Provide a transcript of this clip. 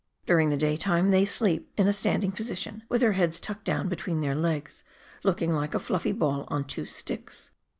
During the daytime they sleep in a standing position, with their heads tucked down between their legs, looking like a fluffy ball on two sticks.